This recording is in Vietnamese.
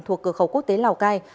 thuộc cửa khẩu quốc tế lào cai